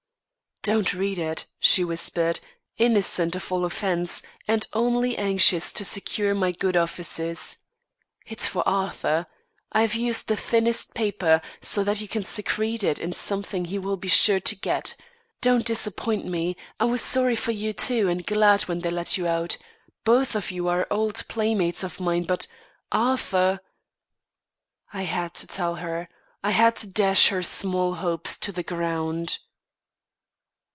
"Don't read it," she whispered, innocent of all offence and only anxious to secure my good offices. "It's for Arthur. I've used the thinnest paper, so that you can secrete it in something he will be sure to get. Don't disappoint me. I was sorry for you, too, and glad when they let you out. Both of you are old playmates of mine, but Arthur " I had to tell her; I had to dash her small hopes to the ground.